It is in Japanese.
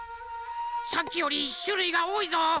さっきよりしゅるいがおおいぞ。